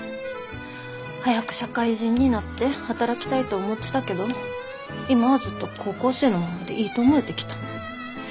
早く社会人になって働きたいと思ってたけど今はずっと高校生のままでいいと思えてきた。